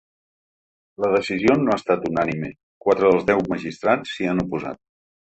La decisió no ha estat unànime, quatre dels deu magistrats s’hi han oposat.